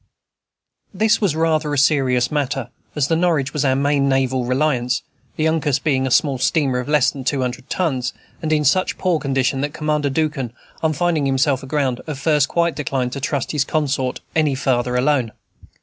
This was rather a serious matter, as the Norwich was our main naval reliance, the Uncas being a small steamer of less than two hundred tons, and in such poor condition that Commander Duncan, on finding himself aground, at first quite declined to trust his consort any farther alone.